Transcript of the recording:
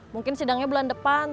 mungkin sidangnya bulan depan